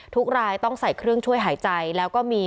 ทุกรายต้องใส่เครื่องช่วยหายใจ